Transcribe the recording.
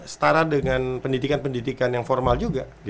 setara dengan pendidikan pendidikan yang formal juga